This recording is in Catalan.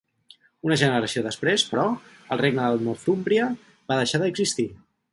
Una generació després, però, el regne de Northúmbria va deixar d'existir.